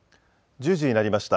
１０時になりました。